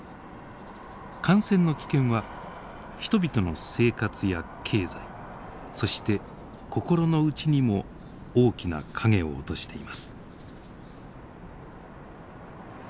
感染の危険は人々の生活や経済そして心の内にも大きな影を落としています。